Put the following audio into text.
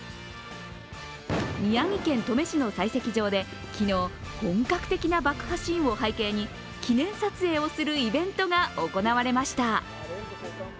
宮城県登米市の採石場で昨日、本格的な爆破シーンを背景に記念撮影するイベントが行われました。